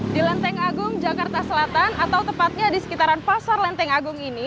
di lenteng agung jakarta selatan atau tepatnya di sekitaran pasar lenteng agung ini